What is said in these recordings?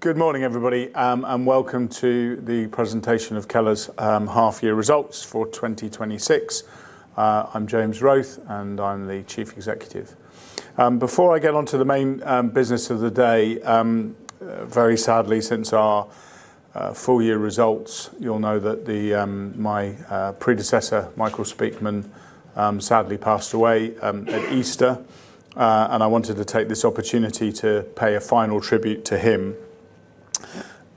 Good morning, everybody, welcome to the presentation of Keller's Half-Year Results for 2026. I'm James Wroath, I'm the Chief Executive. Before I get onto the main business of the day, very sadly, since our full-year results, you'll know that my predecessor, Michael Speakman, sadly passed away at Easter, I wanted to take this opportunity to pay a final tribute to him.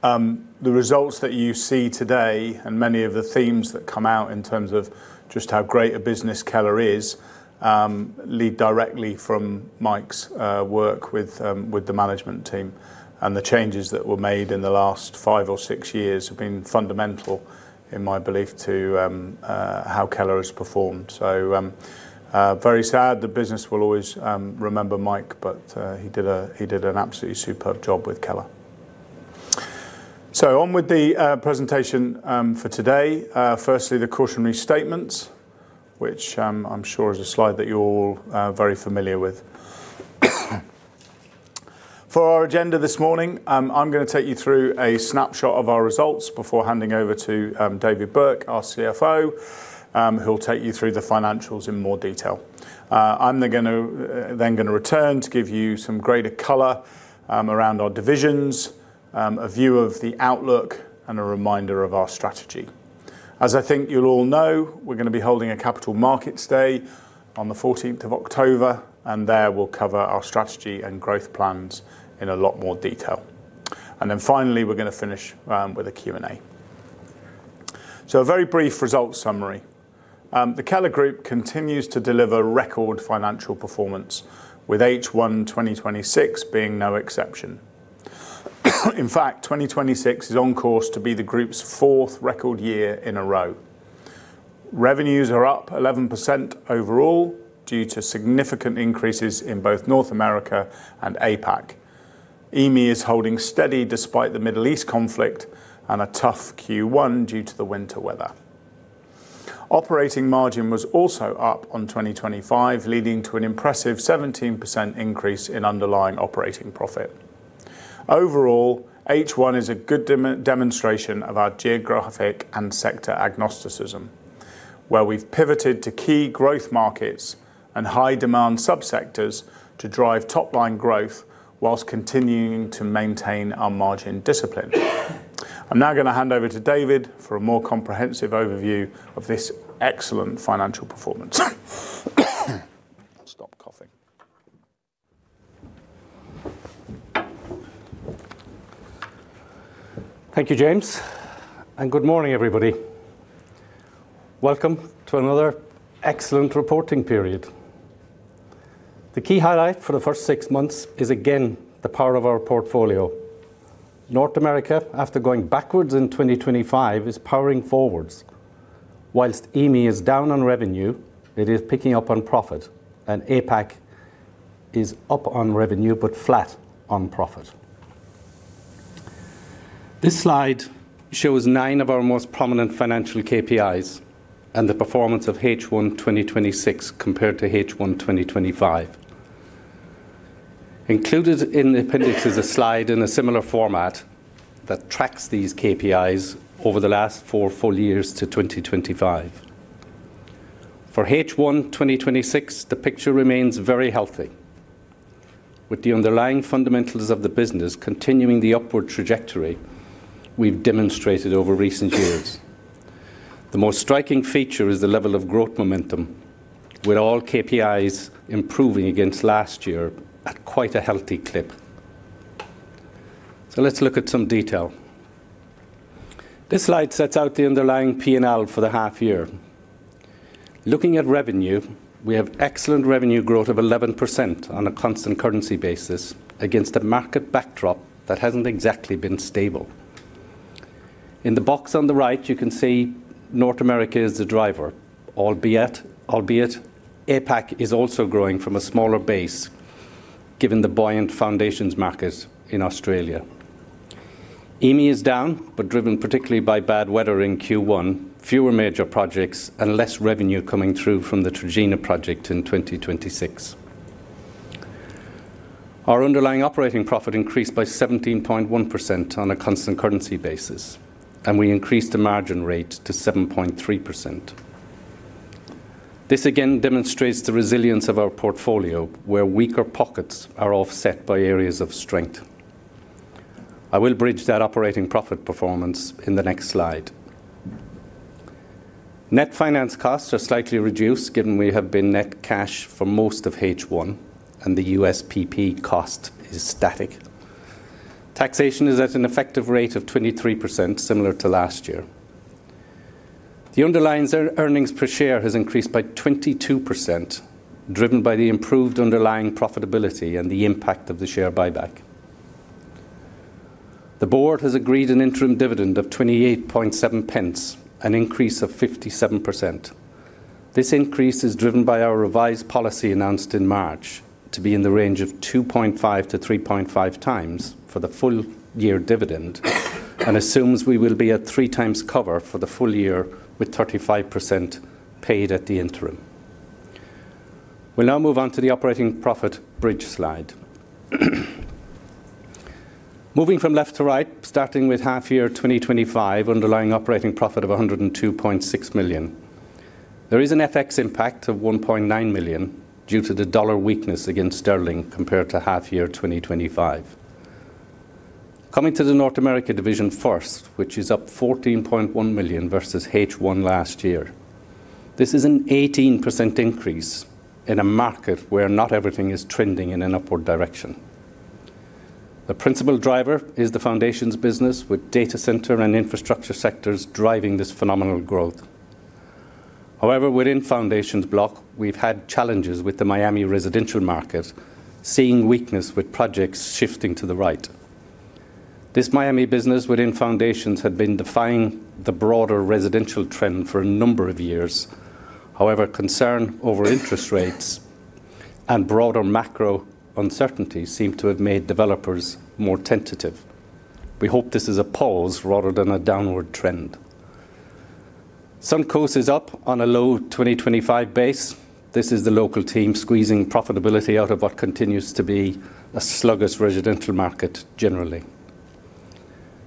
The results that you see today, many of the themes that come out in terms of just how great a business Keller is, lead directly from Mike's work with the management team. The changes that were made in the last five or six years have been fundamental, in my belief, to how Keller has performed. Very sad. The business will always remember Mike, he did an absolutely superb job with Keller. On with the presentation for today. Firstly, the cautionary statement, which I'm sure is a slide that you're all very familiar with. For our agenda this morning, I'm going to take you through a snapshot of our results before handing over to David Burke, our CFO, who'll take you through the financials in more detail. I'm going to return to give you some greater color around our divisions, a view of the outlook, a reminder of our strategy. As I think you'll all know, we're going to be holding a Capital Markets Day on the 14th of October, there we'll cover our strategy and growth plans in a lot more detail. Finally, we're going to finish with a Q&A. A very brief results summary. The Keller Group continues to deliver record financial performance, with H1 2026 being no exception. In fact, 2026 is on course to be the group's fourth record year in a row. Revenues are up 11% overall due to significant increases in both North America and APAC. EMEA is holding steady despite the Middle East conflict and a tough Q1 due to the winter weather. Operating margin was also up on 2025, leading to an impressive 17% increase in underlying operating profit. Overall, H1 is a good demonstration of our geographic and sector agnosticism, where we've pivoted to key growth markets and high-demand subsectors to drive top-line growth whilst continuing to maintain our margin discipline. I'm now going to hand over to David for a more comprehensive overview of this excellent financial performance. Stop coughing. Thank you, James. Good morning, everybody. Welcome to another excellent reporting period. The key highlight for the first six months is, again, the power of our portfolio. North America, after going backwards in 2025, is powering forwards. Whilst EMEA is down on revenue, it is picking up on profit, APAC is up on revenue, but flat on profit. This slide shows nine of our most prominent financial KPIs and the performance of H1 2026 compared to H1 2025. Included in the appendix is a slide in a similar format that tracks these KPIs over the last four full years to 2025. For H1 2026, the picture remains very healthy, with the underlying fundamentals of the business continuing the upward trajectory we've demonstrated over recent years. The most striking feature is the level of growth momentum, with all KPIs improving against last year at quite a healthy clip. Let's look at some detail. This slide sets out the underlying P&L for the half year. Looking at revenue, we have excellent revenue growth of 11% on a constant currency basis against a market backdrop that hasn't exactly been stable. In the box on the right, you can see North America is the driver, albeit APAC is also growing from a smaller base given the buoyant foundations markets in Australia. EMEA is down, but driven particularly by bad weather in Q1, fewer major projects, and less revenue coming through from the Trojena project in 2026. Our underlying operating profit increased by 17.1% on a constant currency basis, and we increased the margin rate to 7.3%. This again demonstrates the resilience of our portfolio, where weaker pockets are offset by areas of strength. I will bridge that operating profit performance in the next slide. Net finance costs are slightly reduced given we have been net cash for most of H1 and the USPP cost is static. Taxation is at an effective rate of 23%, similar to last year. The underlying earnings per share has increased by 22%, driven by the improved underlying profitability and the impact of the share buyback. The board has agreed an interim dividend of 0.287, an increase of 57%. This increase is driven by our revised policy announced in March to be in the range of 2.5x to 3.5x for the full year dividend and assumes we will be at three times cover for the full year, with 35% paid at the interim. We'll now move on to the operating profit bridge slide. Moving from left to right, starting with half year 2025, underlying operating profit of 102.6 million. There is an FX impact of 1.9 million due to the dollar weakness against sterling compared to half year 2025. Coming to the North America division first, which is up 14.1 million versus H1 last year. This is an 18% increase in a market where not everything is trending in an upward direction. The principal driver is the foundations business with data center and infrastructure sectors driving this phenomenal growth. However, within foundations block, we've had challenges with the Miami residential market, seeing weakness with projects shifting to the right. This Miami business within foundations had been defying the broader residential trend for a number of years. However, concern over interest rates and broader macro uncertainties seem to have made developers more tentative. We hope this is a pause rather than a downward trend. Suncoast is up on a low 2025 base. This is the local team squeezing profitability out of what continues to be a sluggish residential market generally.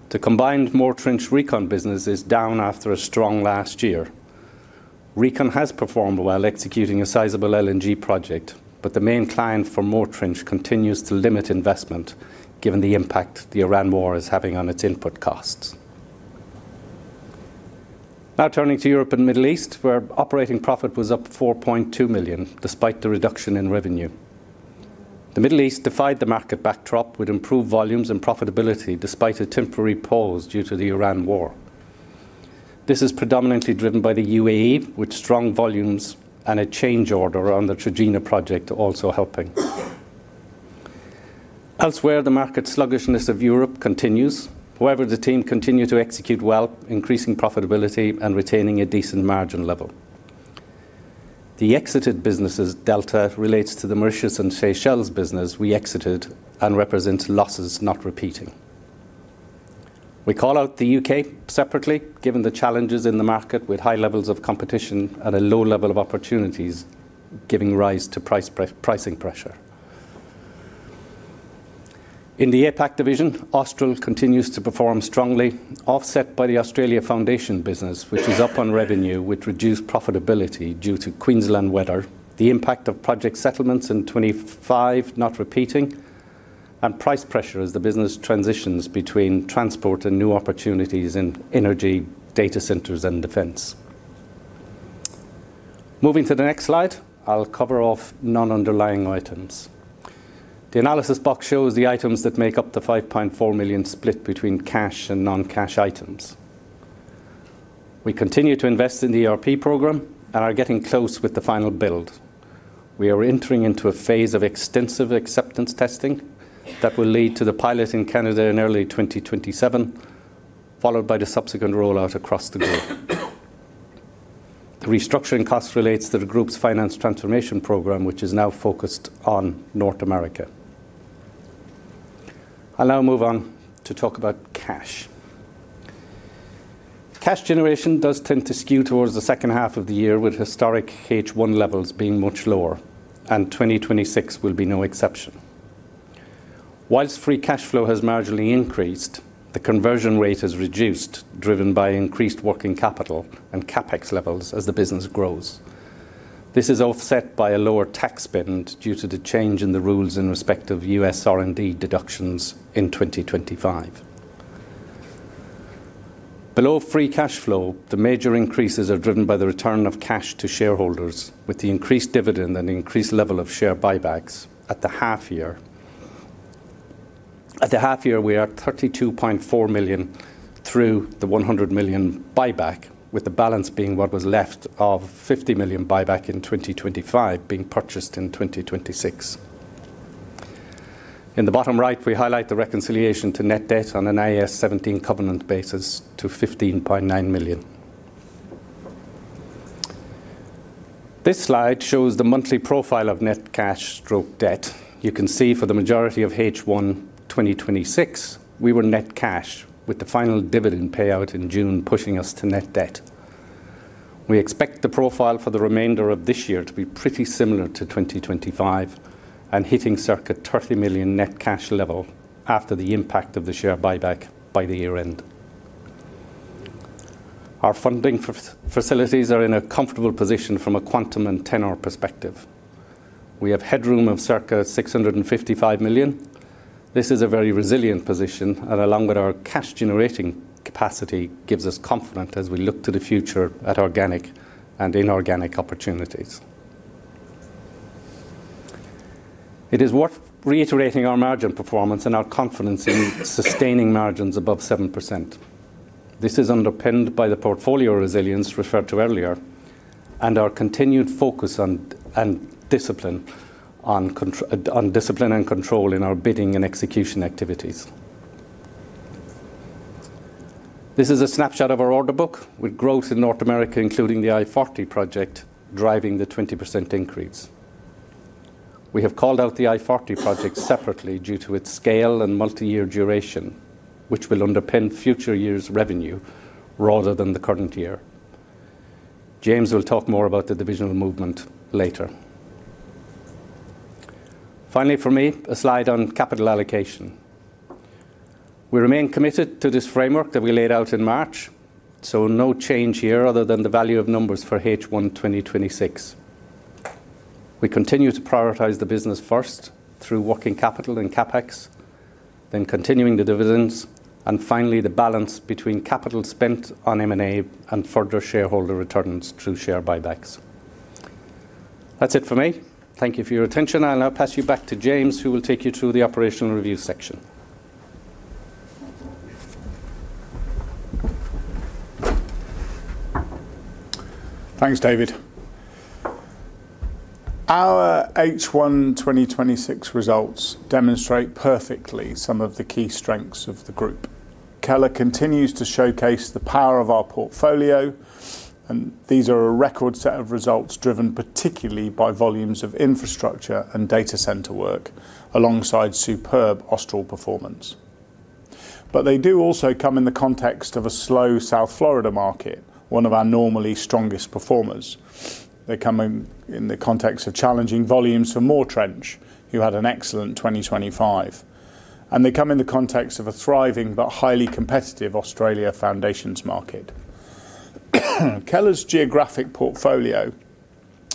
The combined Moretrench RECON business is down after a strong last year. RECON has performed while executing a sizable LNG project, but the main client for Moretrench continues to limit investment given the impact the Iran war is having on its input costs. Now turning to Europe and Middle East, where operating profit was up 4.2 million despite the reduction in revenue. The Middle East defied the market backdrop with improved volumes and profitability despite a temporary pause due to the Iran war. This is predominantly driven by the UAE, with strong volumes and a change order on the Trojena project also helping. Elsewhere, the market sluggishness of Europe continues. However, the team continue to execute well, increasing profitability and retaining a decent margin level. The exited businesses delta relates to the Mauritius and Seychelles business we exited and represents losses not repeating. We call out the U.K. separately, given the challenges in the market with high levels of competition and a low level of opportunities, giving rise to pricing pressure. In the APAC division, Austral continues to perform strongly, offset by the Australia foundation business, which is up on revenue with reduced profitability due to Queensland weather, the impact of project settlements in 2025 not repeating, and price pressure as the business transitions between transport and new opportunities in energy, data centers, and defense. Moving to the next slide, I'll cover off non-underlying items. The analysis box shows the items that make up the 5.4 million split between cash and non-cash items. We continue to invest in the ERP program and are getting close with the final build. We are entering into a phase of extensive acceptance testing that will lead to the pilot in Canada in early 2027, followed by the subsequent rollout across the globe. The restructuring cost relates to the group's finance transformation program, which is now focused on North America. I'll now move on to talk about cash. Cash generation does tend to skew towards the second half of the year, with historic H1 levels being much lower, and 2026 will be no exception. Whilst free cash flow has marginally increased, the conversion rate has reduced, driven by increased working capital and CapEx levels as the business grows. This is offset by a lower tax spend due to the change in the rules in respect of U.S. R&D deductions in 2025. Below free cash flow, the major increases are driven by the return of cash to shareholders with the increased dividend and increased level of share buybacks at the half year. At the half year, we are 32.4 million through the 100 million buyback, with the balance being what was left of 50 million buyback in 2025 being purchased in 2026. In the bottom right, we highlight the reconciliation to net debt on an IAS 17 covenant basis to GBP 15.9 million. This slide shows the monthly profile of net cash/debt. You can see for the majority of H1 2026, we were net cash, with the final dividend payout in June pushing us to net debt. We expect the profile for the remainder of this year to be pretty similar to 2025 and hitting circa 30 million net cash level after the impact of the share buyback by the year-end. Our funding facilities are in a comfortable position from a quantum and tenor perspective. We have headroom of circa 655 million. This is a very resilient position, and along with our cash generating capacity, gives us confidence as we look to the future at organic and inorganic opportunities. It is worth reiterating our margin performance and our confidence in sustaining margins above 7%. This is underpinned by the portfolio resilience referred to earlier and our continued focus and discipline and control in our bidding and execution activities. This is a snapshot of our order book with growth in North America, including the I-40 project, driving the 20% increase. We have called out the I-40 project separately due to its scale and multi-year duration, which will underpin future years' revenue rather than the current year. James will talk more about the divisional movement later. Finally from me, a slide on capital allocation. We remain committed to this framework that we laid out in March, so no change here other than the value of numbers for H1 2026. We continue to prioritize the business first through working capital and CapEx, then continuing the dividends, and finally, the balance between capital spent on M&A and further shareholder returns through share buybacks. That's it for me. Thank you for your attention. I'll now pass you back to James, who will take you through the operational review section. Thanks, David. Our H1 2026 results demonstrate perfectly some of the key strengths of the group. Keller continues to showcase the power of our portfolio, and these are a record set of results driven particularly by volumes of infrastructure and data center work, alongside superb Austral performance. They do also come in the context of a slow South Florida market, one of our normally strongest performers. They come in the context of challenging volumes for Moretrench, who had an excellent 2025, and they come in the context of a thriving but highly competitive Australia foundations market. Keller's geographic portfolio,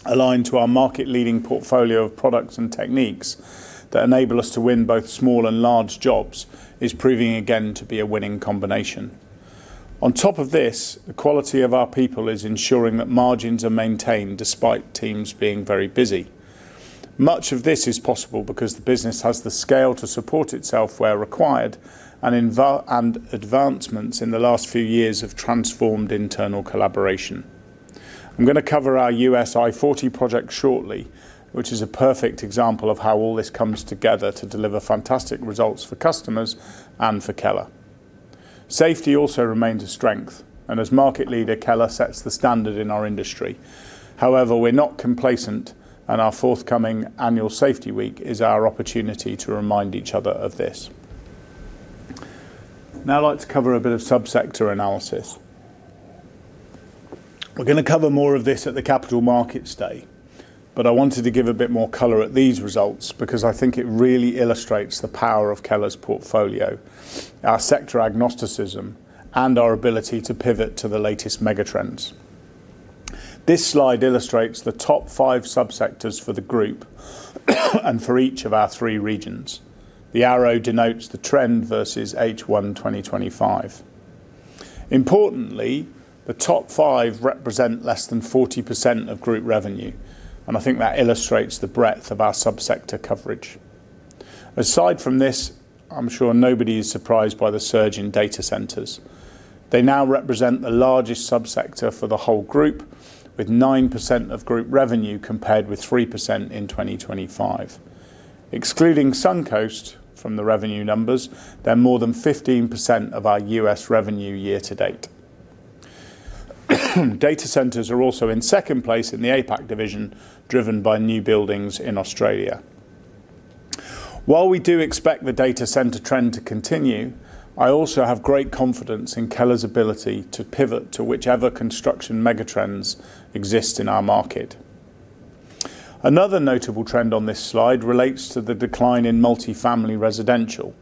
aligned to our market-leading portfolio of products and techniques that enable us to win both small and large jobs, is proving again to be a winning combination. On top of this, the quality of our people is ensuring that margins are maintained despite teams being very busy. Much of this is possible because the business has the scale to support itself where required, and advancements in the last few years have transformed internal collaboration. I'm going to cover our U.S. I-40 project shortly, which is a perfect example of how all this comes together to deliver fantastic results for customers and for Keller. Safety also remains a strength, and as market leader, Keller sets the standard in our industry. However, we're not complacent, and our forthcoming annual safety week is our opportunity to remind each other of this. Now I'd like to cover a bit of subsector analysis. We're going to cover more of this at the Capital Markets Day, but I wanted to give a bit more color at these results because I think it really illustrates the power of Keller's portfolio, our sector agnosticism, and our ability to pivot to the latest megatrends. This slide illustrates the top five subsectors for the group and for each of our three regions. The arrow denotes the trend versus H1 2025. Importantly, the top five represent less than 40% of group revenue, and I think that illustrates the breadth of our subsector coverage. Aside from this, I'm sure nobody is surprised by the surge in data centers. They now represent the largest subsector for the whole group, with 9% of group revenue, compared with 3% in 2025. Excluding Suncoast from the revenue numbers, they're more than 15% of our U.S. revenue year to date. Data centers are also in second place in the APAC division, driven by new buildings in Australia. While we do expect the data center trend to continue, I also have great confidence in Keller's ability to pivot to whichever construction megatrends exist in our market. Another notable trend on this slide relates to the decline in multifamily residential.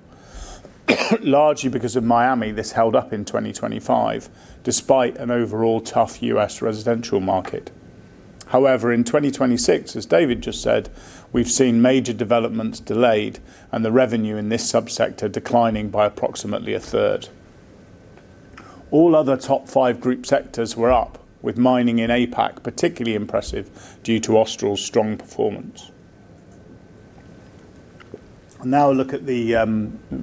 Largely because of Miami, this held up in 2025, despite an overall tough U.S. residential market. In 2026, as David just said, we've seen major developments delayed and the revenue in this subsector declining by approximately a third. All other top five group sectors were up, with mining in APAC particularly impressive due to Austral's strong performance. I'll now look at the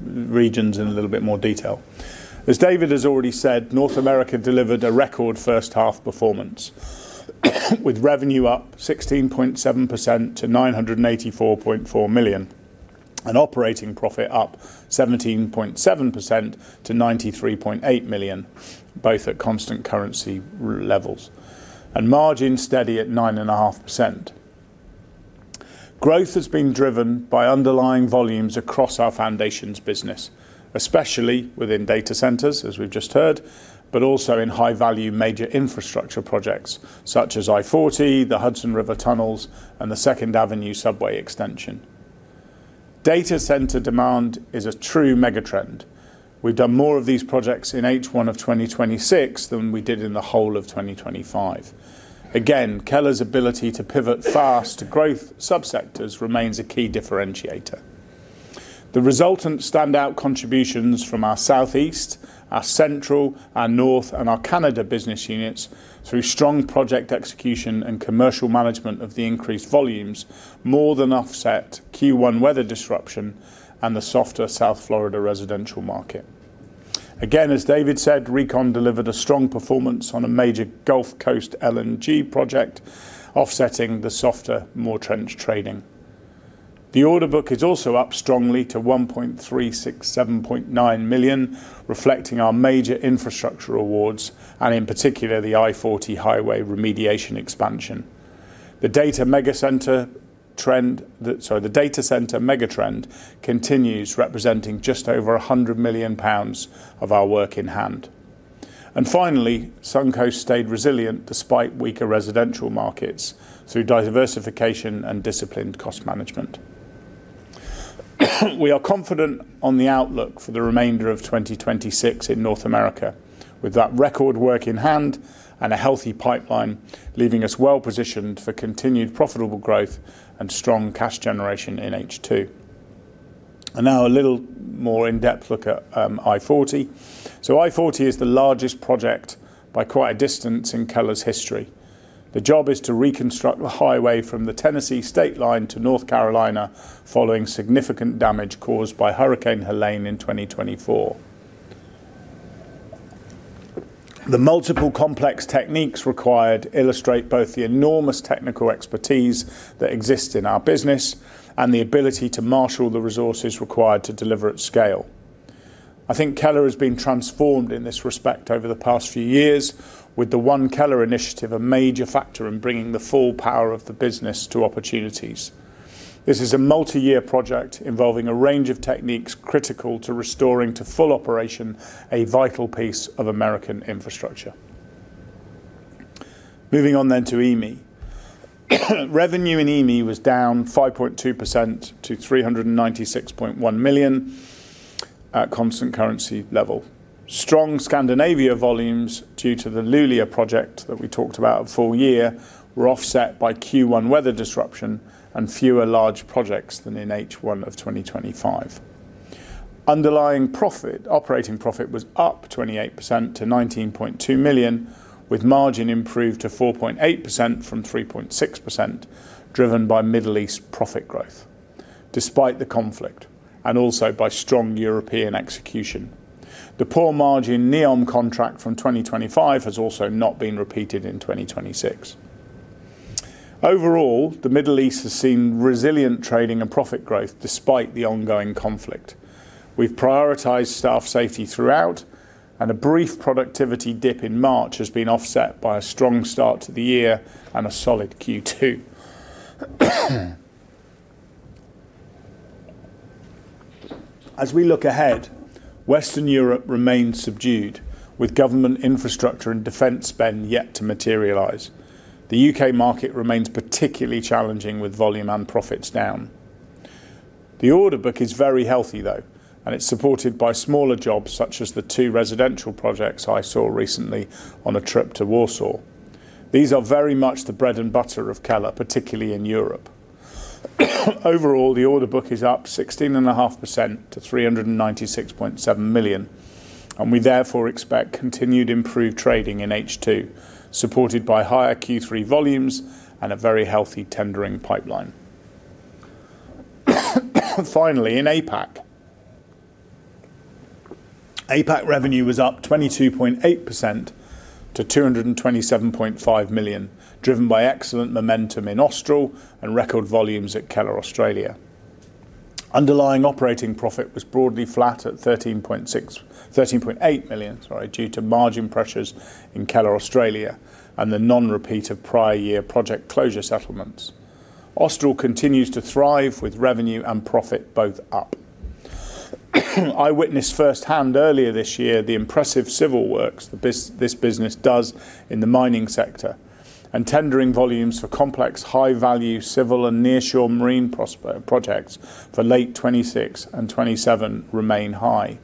regions in a little bit more detail. As David has already said, North America delivered a record first half performance, with revenue up 16.7% to 984.4 million, and operating profit up 17.7% to 93.8 million, both at constant currency levels, and margin steady at 9.5%. Growth has been driven by underlying volumes across our foundations business, especially within data centers, as we've just heard, but also in high-value major infrastructure projects such as I-40, the Hudson River Tunnels, and the Second Avenue subway extension. Data center demand is a true megatrend. We've done more of these projects in H1 of 2026 than we did in the whole of 2025. Keller's ability to pivot fast to growth subsectors remains a key differentiator. The resultant standout contributions from our Southeast, our Central, our North, and our Canada business units through strong project execution and commercial management of the increased volumes more than offset Q1 weather disruption and the softer South Florida residential market. As David said, RECON delivered a strong performance on a major Gulf Coast LNG project, offsetting the softer Moretrench trading. The order book is also up strongly to 1,367.9 million, reflecting our major infrastructure awards and in particular, the I-40 Highway remediation expansion. The data center megatrend continues, representing just over 100 million pounds of our work in hand. Finally, Suncoast stayed resilient despite weaker residential markets through diversification and disciplined cost management. We are confident on the outlook for the remainder of 2026 in North America, with that record work in hand and a healthy pipeline leaving us well-positioned for continued profitable growth and strong cash generation in H2. Now a little more in-depth look at I-40. I-40 is the largest project by quite a distance in Keller's history. The job is to reconstruct the highway from the Tennessee state line to North Carolina following significant damage caused by Hurricane Helene in 2024.. The multiple complex techniques required illustrate both the enormous technical expertise that exists in our business and the ability to marshal the resources required to deliver at scale. I think Keller has been transformed in this respect over the past few years with the One Keller initiative, a major factor in bringing the full power of the business to opportunities. This is a multi-year project involving a range of techniques critical to restoring to full operation a vital piece of American infrastructure. Moving on to EME. Revenue in EME was down 5.2% to 396.1 million at constant currency level. Strong Scandinavia volumes due to the Luleå project that we talked about at full year were offset by Q1 weather disruption and fewer large projects than in H1 of 2025. Underlying profit, operating profit was up 28% to 19.2 million, with margin improved to 4.8% from 3.6%, driven by Middle East profit growth despite the conflict and also by strong European execution. The poor margin NEOM contract from 2025 has also not been repeated in 2026. Overall, the Middle East has seen resilient trading and profit growth despite the ongoing conflict. We've prioritized staff safety throughout. A brief productivity dip in March has been offset by a strong start to the year and a solid Q2. As we look ahead, Western Europe remains subdued with government infrastructure and defense spend yet to materialize. The U.K. market remains particularly challenging with volume and profits down. The order book is very healthy, though. It's supported by smaller jobs such as the two residential projects I saw recently on a trip to Warsaw. These are very much the bread and butter of Keller, particularly in Europe. Overall, the order book is up 16.5% to 396.7 million. We therefore expect continued improved trading in H2, supported by higher Q3 volumes and a very healthy tendering pipeline. Finally, in APAC. APAC revenue was up 22.8% to 227.5 million, driven by excellent momentum in Austral and record volumes at Keller Australia. Underlying operating profit was broadly flat at 13.8 million due to margin pressures in Keller Australia and the non-repeat of prior year project closure settlements. Austral continues to thrive with revenue and profit both up. I witnessed firsthand earlier this year the impressive civil works this business does in the mining sector. Tendering volumes for complex high-value civil and nearshore marine projects for late 2026 and 2027 remain high.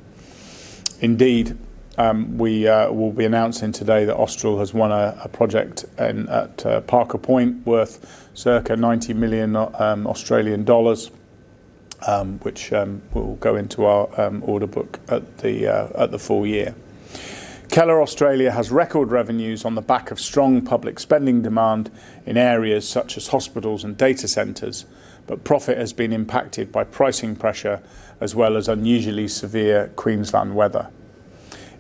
Indeed, we will be announcing today that Austral has won a project at Parker Point worth circa 90 million Australian dollars, which will go into our order book at the full year. Keller Australia has record revenues on the back of strong public spending demand in areas such as hospitals and data centers, but profit has been impacted by pricing pressure as well as unusually severe Queensland weather.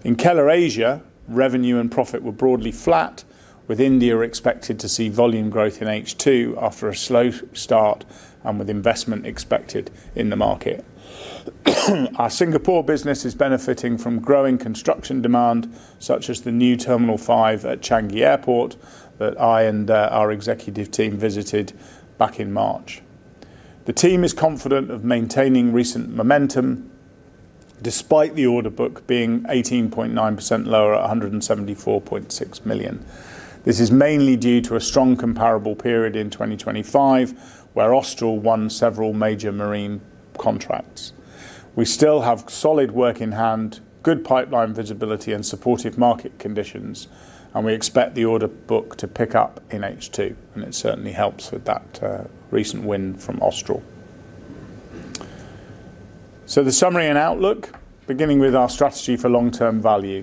In Keller Asia, revenue and profit were broadly flat, with India expected to see volume growth in H2 after a slow start and with investment expected in the market. Our Singapore business is benefiting from growing construction demand such as the new Terminal 5 at Changi Airport that I and our executive team visited back in March. The team is confident of maintaining recent momentum despite the order book being 18.9% lower at 174.6 million. This is mainly due to a strong comparable period in 2025 where Austral won several major marine contracts. We still have solid work in hand, good pipeline visibility and supportive market conditions. We expect the order book to pick up in H2. It certainly helps with that recent win from Austral. The summary and outlook, beginning with our strategy for long-term value.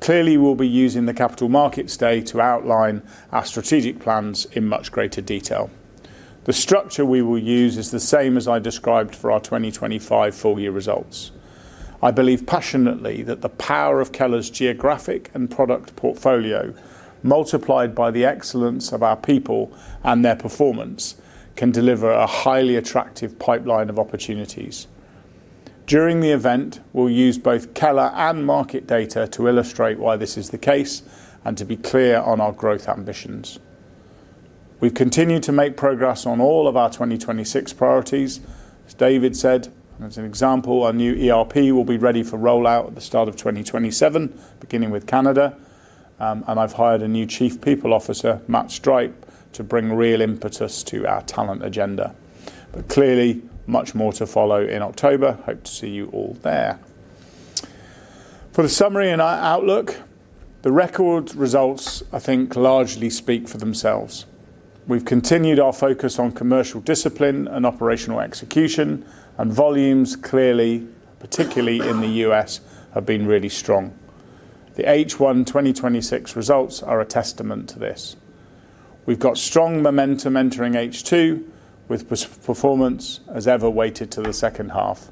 Clearly, we'll be using the Capital Markets Day to outline our strategic plans in much greater detail. The structure we will use is the same as I described for our 2025 full year results. I believe passionately that the power of Keller's geographic and product portfolio, multiplied by the excellence of our people and their performance, can deliver a highly attractive pipeline of opportunities. During the event, we'll use both Keller and market data to illustrate why this is the case and to be clear on our growth ambitions. We've continued to make progress on all of our 2026 priorities. As David said, as an example, our new ERP will be ready for rollout at the start of 2027, beginning with Canada. I've hired a new Chief People Officer, Matt Stripe, to bring real impetus to our talent agenda. Clearly much more to follow in October. Hope to see you all there. For the summary and our outlook, the record results, I think, largely speak for themselves. We've continued our focus on commercial discipline and operational execution, and volumes clearly, particularly in the U.S., have been really strong. The H1 2026 results are a testament to this. We've got strong momentum entering H2 with performance as ever weighted to the second half.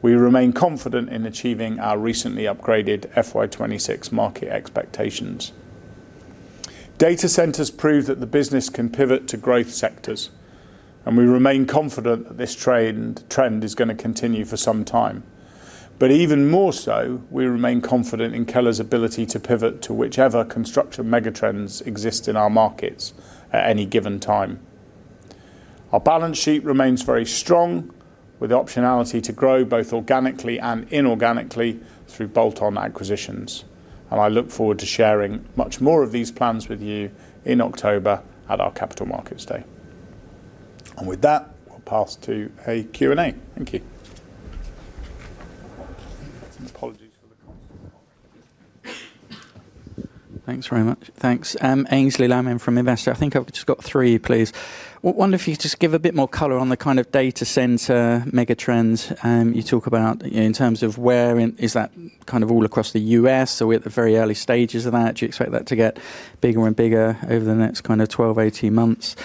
We remain confident in achieving our recently upgraded FY 2026 market expectations. Data centers prove that the business can pivot to growth sectors, and we remain confident that this trend is going to continue for some time. Even more so, we remain confident in Keller's ability to pivot to whichever construction megatrends exist in our markets at any given time. Our balance sheet remains very strong, with optionality to grow both organically and inorganically through bolt-on acquisitions. I look forward to sharing much more of these plans with you in October at our Capital Markets Day. With that, we'll pass to a Q&A. Thank you. Apologies for the constant coughing. Thanks very much. Thanks. Aynsley Lammin from Investec. I think I've just got three, please. I wonder if you could just give a bit more color on the kind of data center megatrends you talk about in terms of where is that all across the U.S. or are we at the very early stages of that? Do you expect that to get bigger and bigger over the next 12, 18 months?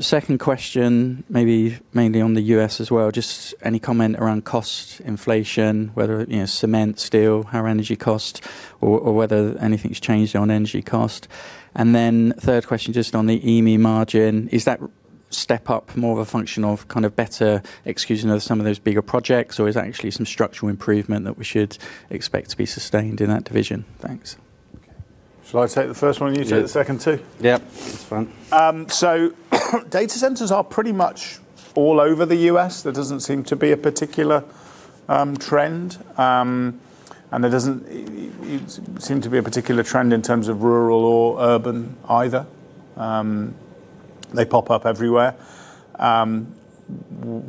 Second question, maybe mainly on the U.S. as well. Just any comment around cost inflation, whether cement, steel, higher energy cost or whether anything's changed on energy cost? Then third question, just on the EME margin. Is that step up more of a function of better execution of some of those bigger projects, or is that actually some structural improvement that we should expect to be sustained in that division? Thanks. Shall I take the first one and you take the second two? Yeah. That's fine. Data centers are pretty much all over the U.S. There doesn't seem to be a particular trend. There doesn't seem to be a particular trend in terms of rural or urban either. They pop up everywhere.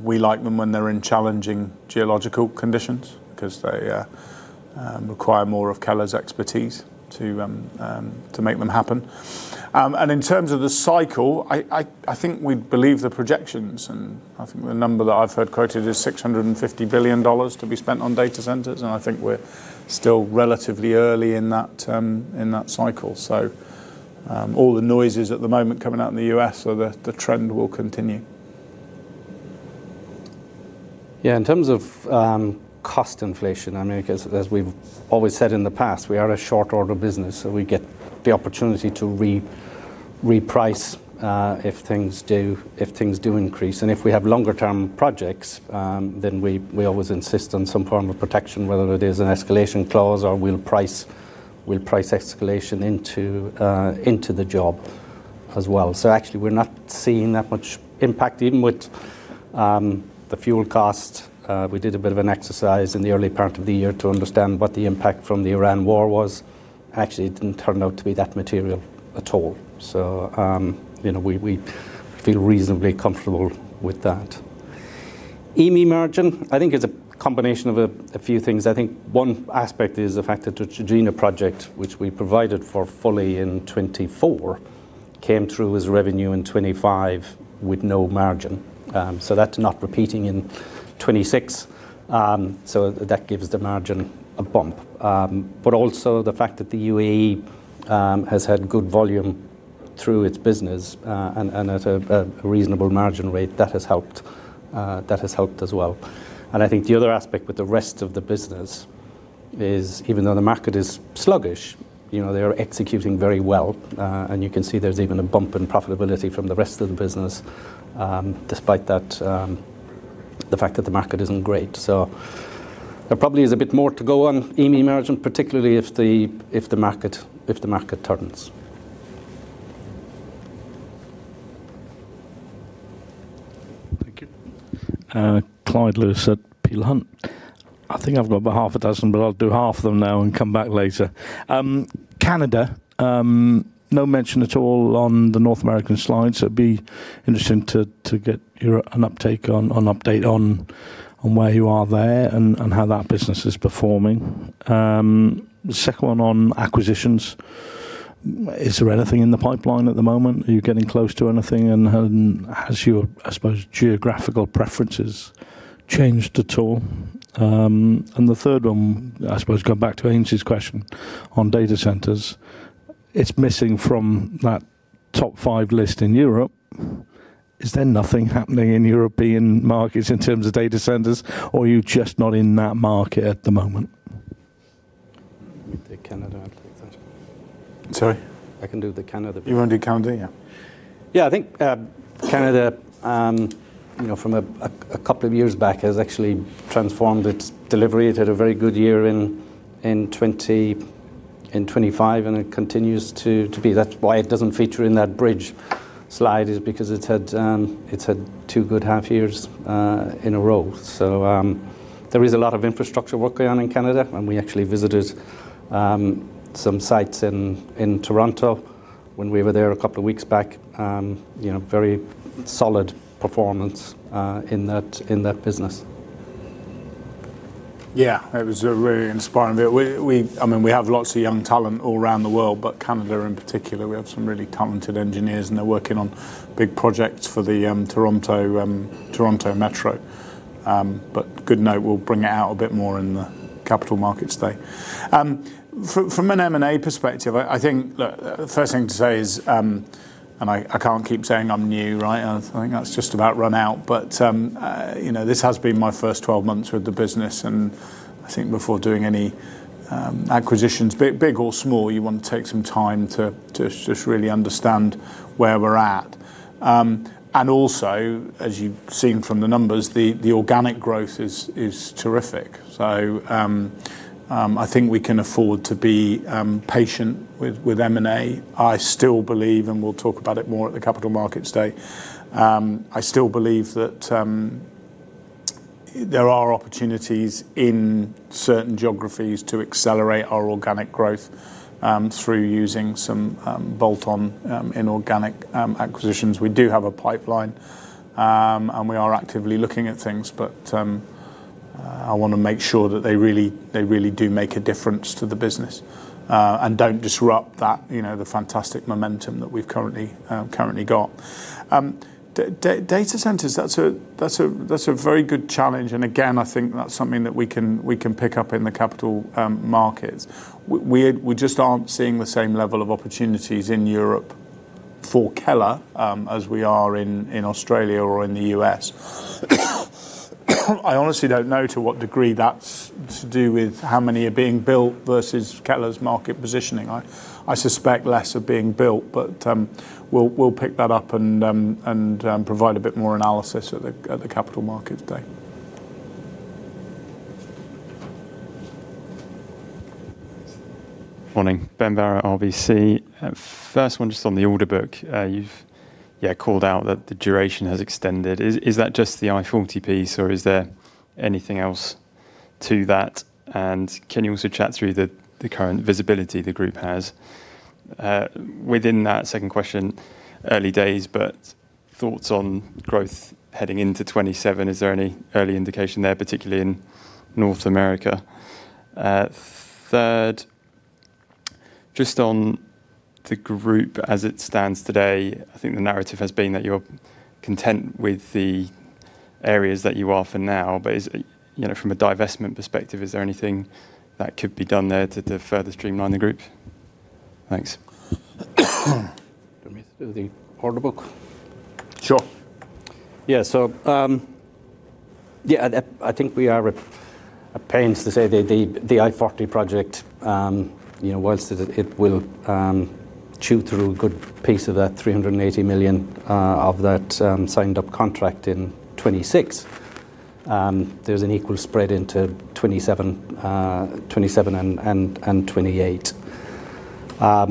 We like them when they're in challenging geological conditions because they require more of Keller's expertise to make them happen. In terms of the cycle, I think we believe the projections, and I think the number that I've heard quoted is $650 billion to be spent on data centers, and I think we're still relatively early in that cycle. All the noises at the moment coming out in the U.S. are that the trend will continue. In terms of cost inflation, because as we've always said in the past, we are a short order business, we get the opportunity to reprice if things do increase. If we have longer term projects, we always insist on some form of protection, whether it is an escalation clause or we'll price escalation into the job as well. Actually, we're not seeing that much impact even with the fuel cost. We did a bit of an exercise in the early part of the year to understand what the impact from the Iran war was. Actually, it didn't turn out to be that material at all. We feel reasonably comfortable with that. EME margin, I think it's a combination of a few things. I think one aspect is the fact that the Trojena project, which we provided for fully in 2024, came through as revenue in 2025 with no margin. That's not repeating in 2026. That gives the margin a bump. Also the fact that the UAE has had good volume through its business, and at a reasonable margin rate, that has helped as well. I think the other aspect with the rest of the business is even though the market is sluggish, they are executing very well. You can see there's even a bump in profitability from the rest of the business, despite the fact that the market isn't great. There probably is a bit more to go on EME margin, particularly if the market turns. Thank you. Clyde Lewis at Peel Hunt. I think I've got about half a dozen, but I'll do half of them now and come back later. Canada, no mention at all on the North American slides. It'd be interesting to get an update on where you are there and how that business is performing. Second one on acquisitions. Is there anything in the pipeline at the moment? Are you getting close to anything? Has your, I suppose, geographical preferences changed at all? The third one, I suppose, going back to Aynsley's question on data centers. It's missing from that top five list in Europe. Is there nothing happening in European markets in terms of data centers, or are you just not in that market at the moment? I can do Canada. I'll take that. Sorry? I can do the Canada bit. You want to do Canada? Yeah. I think Canada, from a couple of years back, has actually transformed its delivery. It had a very good year in 2025, and it continues to be. That's why it doesn't feature in that bridge slide, is because it's had two good half years in a row. There is a lot of infrastructure work going on in Canada, and we actually visited some sites in Toronto when we were there a couple of weeks back. Very solid performance in that business. It was a really inspiring bit. We have lots of young talent all around the world, but Canada in particular, we have some really talented engineers, and they're working on big projects for the Toronto Metro. Good note, we'll bring it out a bit more in the Capital Markets Day. From an M&A perspective, I think the first thing to say is, I can't keep saying I'm new. I think that's just about run out. This has been my first 12 months with the business, and I think before doing any acquisitions, big or small, you want to take some time to just really understand where we're at. Also, as you've seen from the numbers, the organic growth is terrific. I think we can afford to be patient with M&A. I still believe, and we'll talk about it more at the Capital Markets Day, I still believe that there are opportunities in certain geographies to accelerate our organic growth through using some bolt-on inorganic acquisitions. We do have a pipeline, and we are actively looking at things. I want to make sure that they really do make a difference to the business and don't disrupt the fantastic momentum that we've currently got. Data centers, that's a very good challenge. Again, I think that's something that we can pick up in the capital markets. We just aren't seeing the same level of opportunities in Europe for Keller as we are in Australia or in the U.S. I honestly don't know to what degree that's to do with how many are being built versus Keller's market positioning. I suspect less are being built, but we will pick that up and provide a bit more analysis at the Capital Markets Day. Morning. Ben Varrow, RBC. First one, just on the order book. You've called out that the duration has extended. Is that just the I-40 piece, or is there anything else to that? Can you also chat through the current visibility the group has? Within that second question, early days, thoughts on growth heading into 2027, is there any early indication there, particularly in North America? Third, just on the group as it stands today, I think the narrative has been that you're content with the areas that you are for now. From a divestment perspective, is there anything that could be done there to further streamline the group? Thanks. Do you want me to do the order book? Sure. Yeah, I think we are at pains to say the I-40 project, whilst it will chew through a good piece of that $380 million of that signed-up contract in 2026, there's an equal spread into 2027 and 2028. I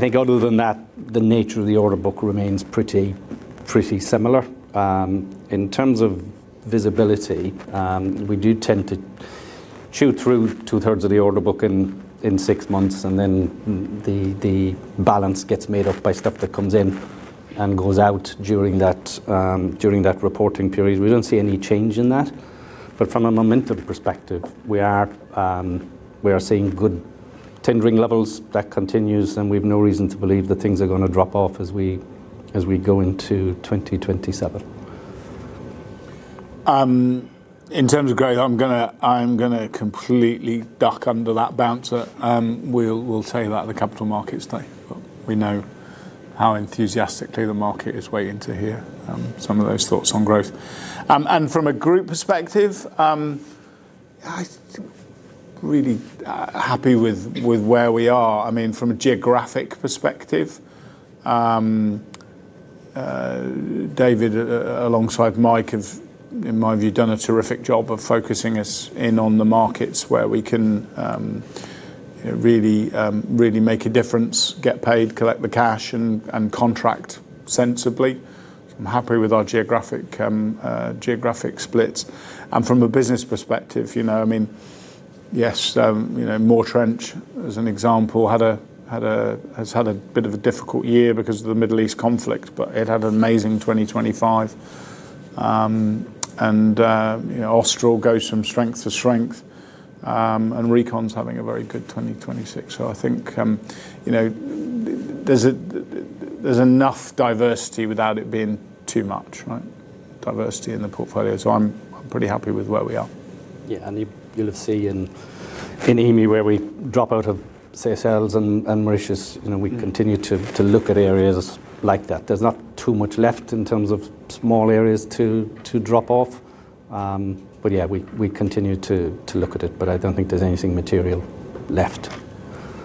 think other than that, the nature of the order book remains pretty similar. In terms of visibility, we do tend to chew through two-thirds of the order book in six months, the balance gets made up by stuff that comes in and goes out during that reporting period. We don't see any change in that. From a momentum perspective, we are seeing good tendering levels. That continues, we've no reason to believe that things are going to drop off as we go into 2027. In terms of growth, I'm going to completely duck under that bouncer. We'll tell you that at the Capital Markets Day, but we know how enthusiastically the market is waiting to hear some of those thoughts on growth. From a group perspective, I think really happy with where we are. From a geographic perspective, David, alongside Mike, have, in my view, done a terrific job of focusing us in on the markets where we can really make a difference, get paid, collect the cash, and contract sensibly. I'm happy with our geographic splits. From a business perspective, yes, Moretrench, as an example, has had a bit of a difficult year because of the Middle East conflict, but it had an amazing 2025. Austral goes from strength to strength, RECON's having a very good 2026. I think there's enough diversity without it being too much. Diversity in the portfolio. I'm pretty happy with where we are. You'll see in EME where we drop out of Seychelles and Mauritius, we continue to look at areas like that. There's not too much left in terms of small areas to drop off. We continue to look at it, I don't think there's anything material left.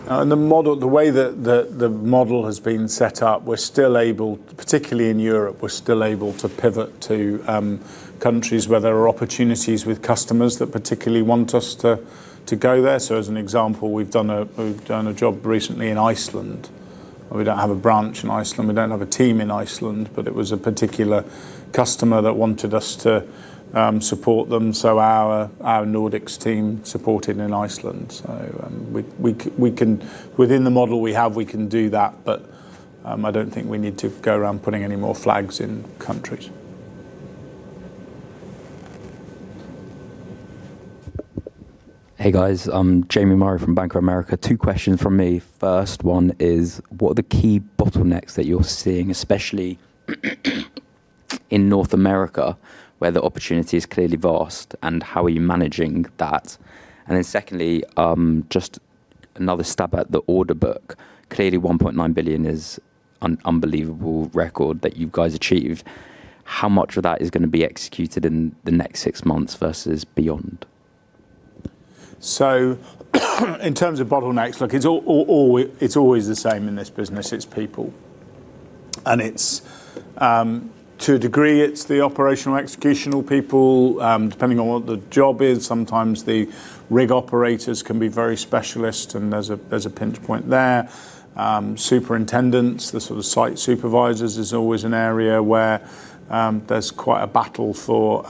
The way that the model has been set up, we're still able, particularly in Europe, we're still able to pivot to countries where there are opportunities with customers that particularly want us to go there. As an example, we've done a job recently in Iceland, we don't have a branch in Iceland, we don't have a team in Iceland, it was a particular customer that wanted us to support them, our Nordics team supported in Iceland. Within the model we have, we can do that, I don't think we need to go around putting any more flags in countries. Hey, guys. Jamie Murray from Bank of America. Two questions from me. First one is, what are the key bottlenecks that you're seeing, especially in North America, where the opportunity is clearly vast, and how are you managing that? Secondly, just another stab at the order book. Clearly, 1.9 billion is an unbelievable record that you guys achieved. How much of that is going to be executed in the next six months versus beyond? In terms of bottlenecks, look, it's always the same in this business. It's people. To a degree, it's the operational executional people, depending on what the job is. Sometimes the rig operators can be very specialist, and there's a pinch point there. Superintendents, the sort of site supervisors is always an area where there's quite a battle for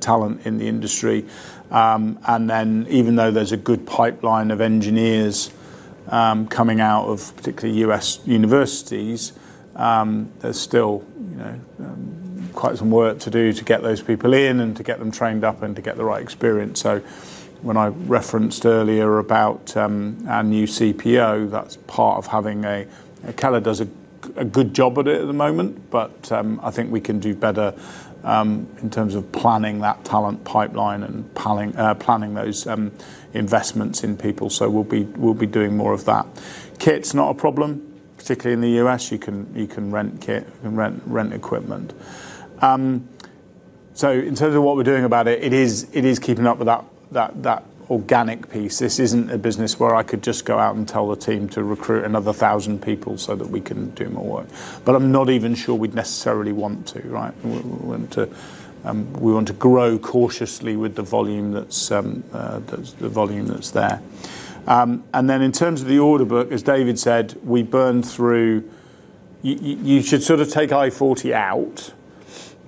talent in the industry. Even though there's a good pipeline of engineers coming out of particularly U.S. universities, there's still quite some work to do to get those people in and to get them trained up and to get the right experience. When I referenced earlier about our new CPO, that's part of having Keller does a good job at it at the moment, but I think we can do better in terms of planning that talent pipeline and planning those investments in people. We'll be doing more of that. Kit's not a problem, particularly in the U.S. You can rent kit, you can rent equipment. In terms of what we're doing about it is keeping up with that organic piece. This isn't a business where I could just go out and tell the team to recruit another 1,000 people so that we can do more work. I'm not even sure we'd necessarily want to, right? We want to grow cautiously with the volume that's there. In terms of the order book, as David said, we burn through. You should sort of take I-40 out,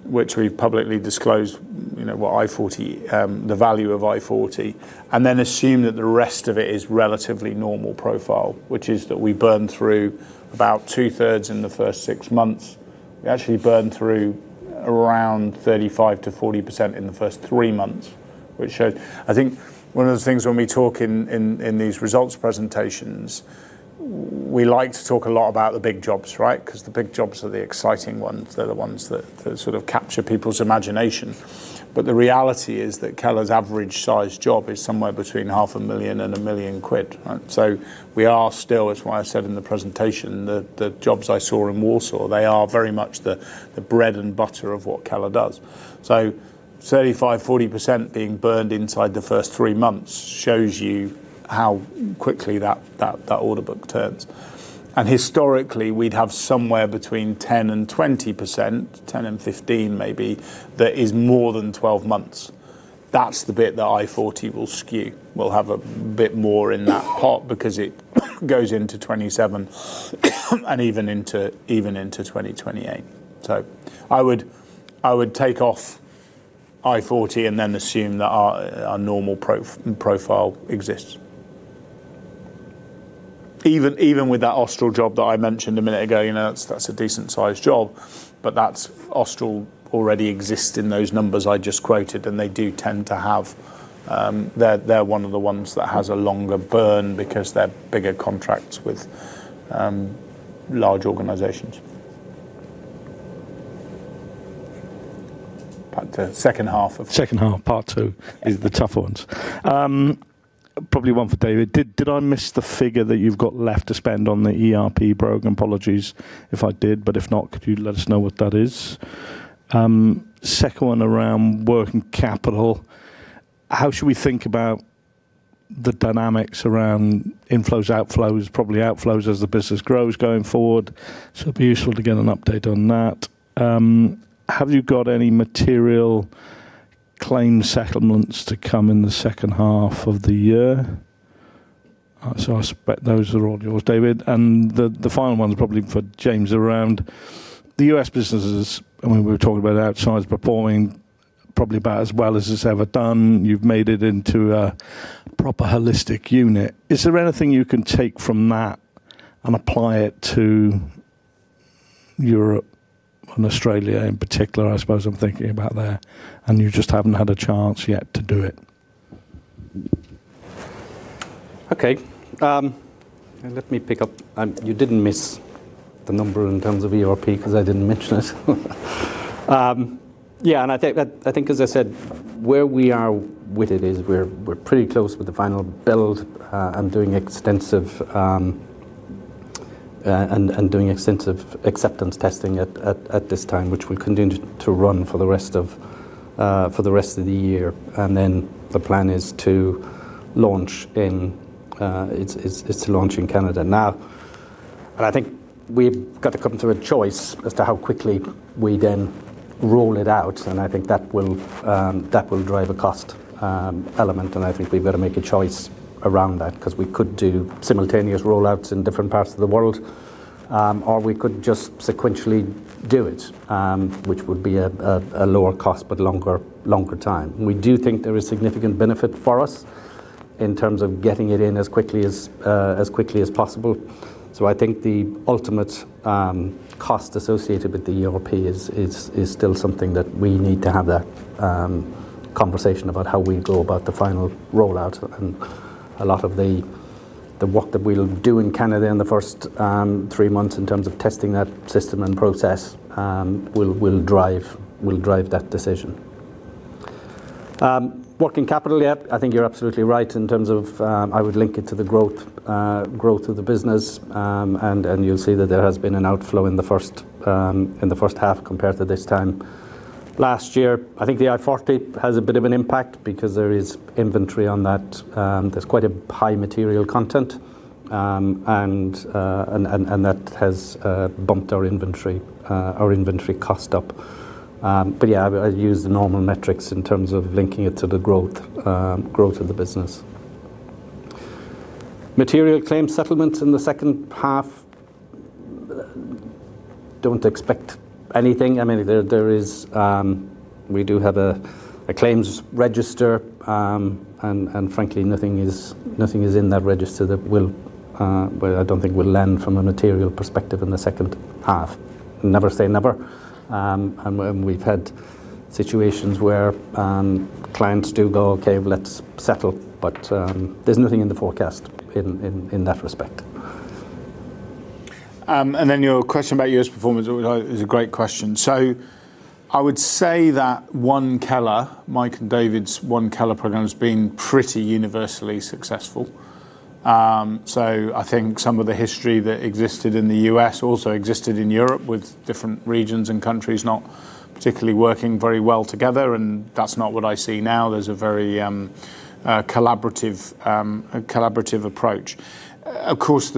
which we've publicly disclosed, the value of I-40, and then assume that the rest of it is relatively normal profile, which is that we burn through about two-thirds in the first six months. We actually burn through around 35%-40% in the first three months, which shows. I think one of the things when we talk in these results presentations, we like to talk a lot about the big jobs, right? The big jobs are the exciting ones. They're the ones that sort of capture people's imagination. The reality is that Keller's average size job is somewhere between half a million and a million quid, right? We are still, as what I said in the presentation, the jobs I saw in Warsaw, they are very much the bread and butter of what Keller does. 35%-40% being burned inside the first three months shows you how quickly that order book turns. Historically, we'd have somewhere between 10%-20%, 10%-15%, maybe, that is more than 12 months. That's the bit that I-40 will skew. We'll have a bit more in that pot because it goes into 2027 and even into 2028. I would take off I-40 and then assume that our normal profile exists. Even with that Austral job that I mentioned a minute ago, that's a decent-sized job, but that Austral already exists in those numbers I just quoted, and they do tend to have They're one of the ones that has a longer burn because they're bigger contracts with large organizations. Second half, part two is the tougher ones. Probably one for David. Did I miss the figure that you've got left to spend on the ERP program? Apologies if I did, but if not, could you let us know what that is? Second one around working capital. How should we think about the dynamics around inflows, outflows, probably outflows as the business grows going forward? It'd be useful to get an update on that. Have you got any material claim settlements to come in the second half of the year? I suspect those are all yours, David. The final one is probably for James around the U.S. businesses. I mean, we were talking about outsized performing probably about as well as it's ever done. You've made it into a proper holistic unit. Is there anything you can take from that and apply it to Europe and Australia in particular, I suppose I'm thinking about there, you just haven't had a chance yet to do it? Okay. Let me pick up. You didn't miss the number in terms of ERP because I didn't mention it. Yeah, I think, as I said, where we are with it is we're pretty close with the final build and doing extensive acceptance testing at this time, which we continue to run for the rest of the year. The plan is to launch in Canada. Now, I think we've got to come to a choice as to how quickly we then roll it out, I think that will drive a cost element, I think we've got to make a choice around that because we could do simultaneous rollouts in different parts of the world. We could just sequentially do it, which would be a lower cost, but longer time. We do think there is significant benefit for us in terms of getting it in as quickly as possible. I think the ultimate cost associated with the ERP is still something that we need to have that conversation about how we go about the final rollout. A lot of the work that we'll do in Canada in the first three months in terms of testing that system and process will drive that decision. Working capital, yep, I think you're absolutely right in terms of, I would link it to the growth of the business. You'll see that there has been an outflow in the first half compared to this time last year. I think the I-40 has a bit of an impact because there is inventory on that. There's quite a high material content, and that has bumped our inventory cost up. Yeah, I use the normal metrics in terms of linking it to the growth of the business. Material claims settlement in the second half. Don't expect anything. We do have a claims register. Frankly, nothing is in that register that I don't think will lend from a material perspective in the second half. Never say never. We've had situations where clients do go, "Okay, let's settle," but there's nothing in the forecast in that respect. Your question about U.S. performance is a great question. I would say that One Keller, Mike and David's One Keller program, has been pretty universally successful. I think some of the history that existed in the U.S. also existed in Europe with different regions and countries not particularly working very well together, and that's not what I see now. There's a very collaborative approach. Of course,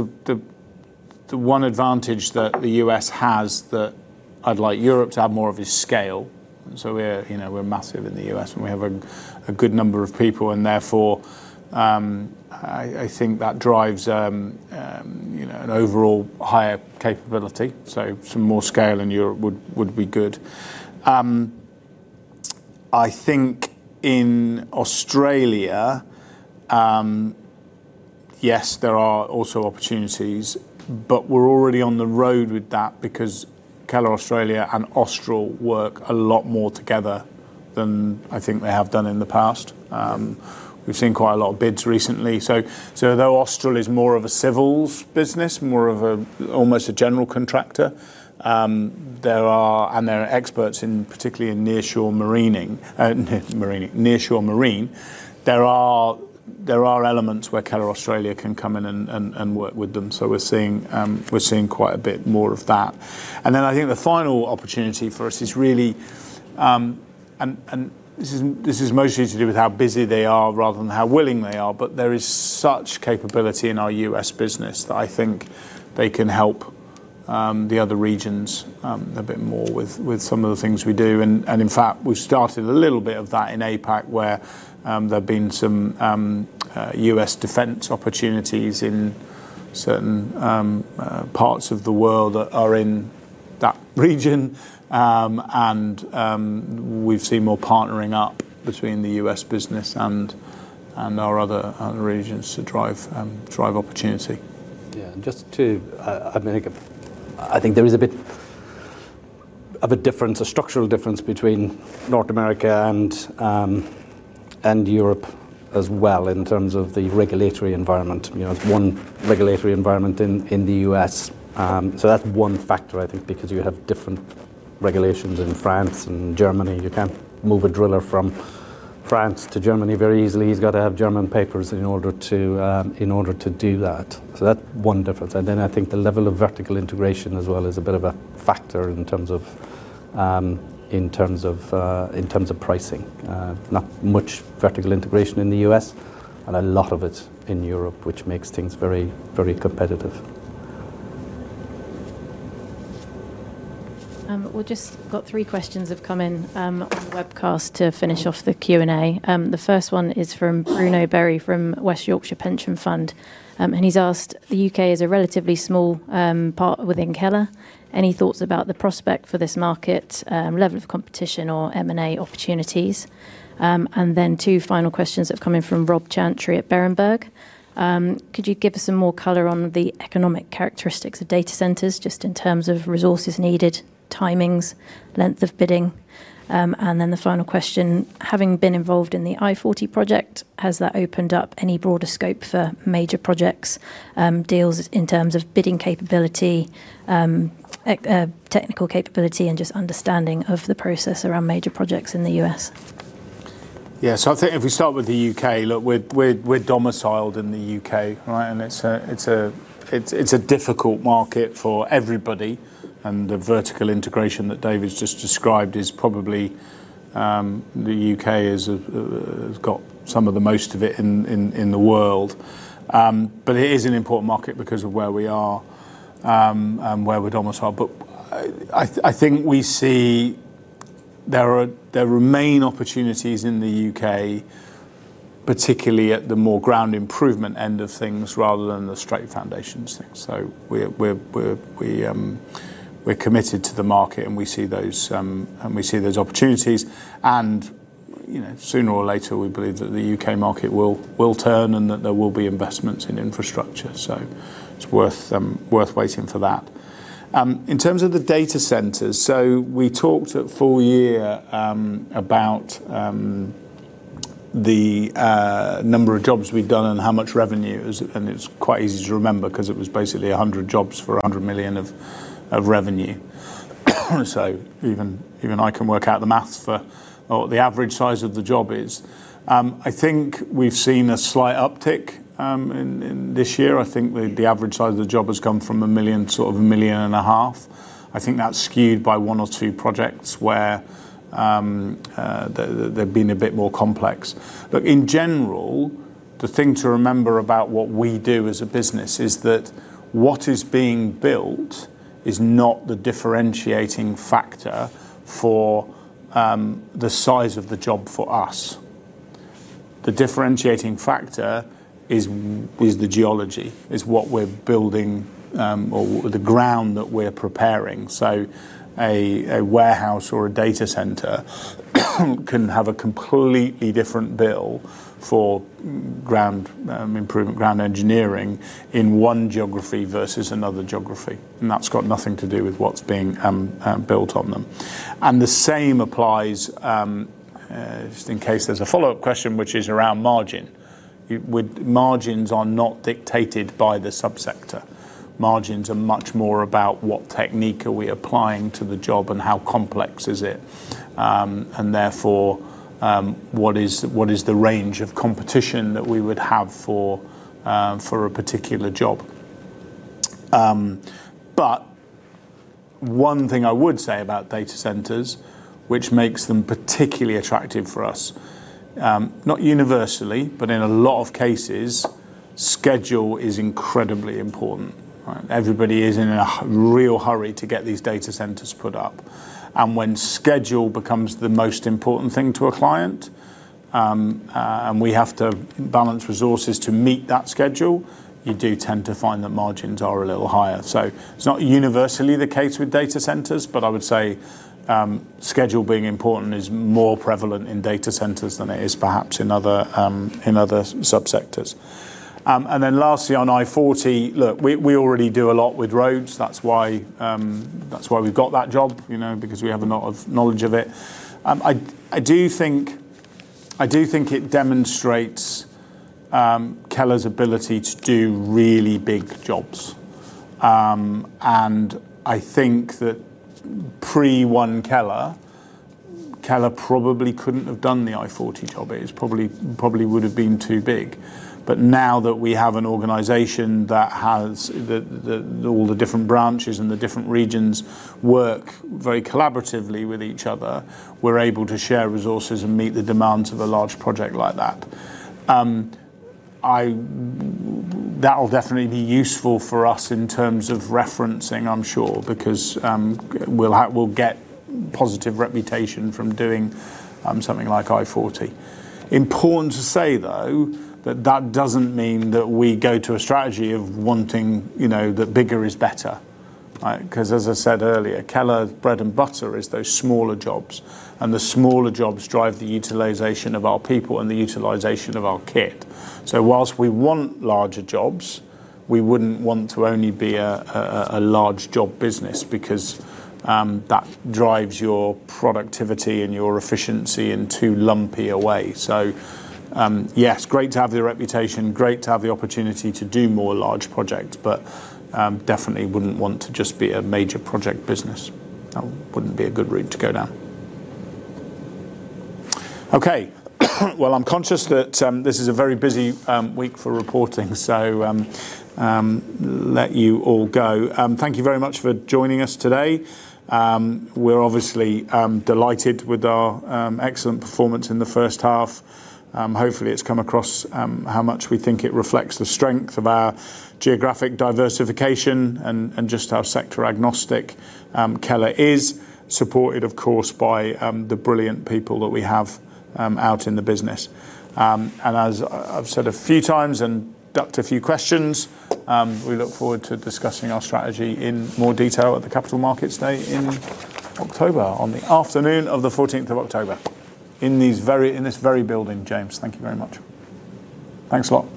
the one advantage that the U.S. has that I'd like Europe to have more of is scale. We're massive in the U.S., and we have a good number of people, and therefore, I think that drives an overall higher capability. Some more scale in Europe would be good. I think in Australia, yes, there are also opportunities, we're already on the road with that because Keller Australia and Austral work a lot more together than I think they have done in the past. We've seen quite a lot of bids recently. Although Austral is more of a civils business, more of almost a general contractor, and they're experts particularly in nearshore marine. There are elements where Keller Australia can come in and work with them. We're seeing quite a bit more of that. I think the final opportunity for us is really, and this is mostly to do with how busy they are rather than how willing they are, but there is such capability in our U.S. business that I think they can help the other regions a bit more with some of the things we do. In fact, we've started a little bit of that in APAC, where there have been some U.S. defense opportunities in certain parts of the world that are in that region. We've seen more partnering up between the U.S. business and our other regions to drive opportunity. Yeah. I think there is a bit of a difference, a structural difference between North America and Europe as well in terms of the regulatory environment. One regulatory environment in the U.S. That's one factor, I think, because you have different regulations in France and Germany. You can't move a driller from France to Germany very easily. He's got to have German papers in order to do that. That's one difference. Then I think the level of vertical integration as well is a bit of a factor in terms of pricing. Not much vertical integration in the U.S., and a lot of it in Europe, which makes things very competitive. We've just got three questions have come in on the webcast to finish off the Q&A. The first one is from Bruno Berry from West Yorkshire Pension Fund. He's asked, "The U.K. is a relatively small part within Keller. Any thoughts about the prospect for this market, level of competition or M&A opportunities?" Then two final questions that have come in from Rob Chantry at Berenberg. "Could you give us some more color on the economic characteristics of data centers, just in terms of resources needed?" Timings, length of bidding. And the final question, having been involved in the I-40 project, has that opened up any broader scope for major projects, deals in terms of bidding capability, technical capability, and just understanding of the process around major projects in the U.S.? Yeah. I think if we start with the U.K., look, we're domiciled in the U.K., right? It's a difficult market for everybody. The vertical integration that David's just described is probably, the U.K. has got some of the most of it in the world. It is an important market because of where we are and where we're domiciled. I think we see there remain opportunities in the U.K., particularly at the more ground improvement end of things rather than the straight foundations things. We're committed to the market, and we see those opportunities, and sooner or later, we believe that the U.K. market will turn and that there will be investments in infrastructure. It's worth waiting for that. In terms of the data centers, we talked at full year about the number of jobs we've done and how much revenue, and it's quite easy to remember because it was basically 100 jobs for 100 million of revenue. Even I can work out the maths for what the average size of the job is. I think we've seen a slight uptick in this year. I think the average size of the job has gone from 1 million to sort of 1.5 million. I think that's skewed by one or two projects where they've been a bit more complex. In general, the thing to remember about what we do as a business is that what is being built is not the differentiating factor for the size of the job for us. The differentiating factor is the geology, is what we're building or the ground that we're preparing. A warehouse or a data center can have a completely different bill for ground improvement, ground engineering in one geography versus another geography, and that's got nothing to do with what's being built on them. The same applies, just in case there's a follow-up question, which is around margin. Margins are not dictated by the subsector. Margins are much more about what technique are we applying to the job and how complex is it, and therefore, what is the range of competition that we would have for a particular job. One thing I would say about data centers, which makes them particularly attractive for us, not universally, but in a lot of cases, schedule is incredibly important. Everybody is in a real hurry to get these data centers put up. When schedule becomes the most important thing to a client, and we have to balance resources to meet that schedule, you do tend to find that margins are a little higher. It's not universally the case with data centers, I would say schedule being important is more prevalent in data centers than it is perhaps in other subsectors. Lastly, on I-40, look, we already do a lot with roads. That's why we've got that job because we have a lot of knowledge of it. I do think it demonstrates Keller's ability to do really big jobs. I think that pre One Keller, Keller probably couldn't have done the I-40 job. It probably would've been too big. Now that we have an organization that has all the different branches and the different regions work very collaboratively with each other, we're able to share resources and meet the demands of a large project like that. That'll definitely be useful for us in terms of referencing, I'm sure, because we'll get positive reputation from doing something like I-40. Important to say, though, that that doesn't mean that we go to a strategy of wanting that bigger is better. Because as I said earlier, Keller's bread and butter is those smaller jobs, and the smaller jobs drive the utilization of our people and the utilization of our kit. Whilst we want larger jobs, we wouldn't want to only be a large job business because that drives your productivity and your efficiency in too lumpy a way. Yes, great to have the reputation, great to have the opportunity to do more large projects, definitely wouldn't want to just be a major project business. That wouldn't be a good route to go down. I'm conscious that this is a very busy week for reporting, I'll let you all go. Thank you very much for joining us today. We're obviously delighted with our excellent performance in the first half. Hopefully, it's come across how much we think it reflects the strength of our geographic diversification and just how sector agnostic Keller is, supported, of course, by the brilliant people that we have out in the business. As I've said a few times and ducked a few questions, we look forward to discussing our strategy in more detail at the Capital Markets Day in October, on the afternoon of the 14th of October, in this very building. James, thank you very much. Thanks a lot.